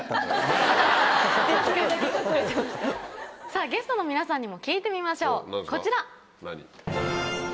さぁゲストの皆さんにも聞いてみましょうこちら！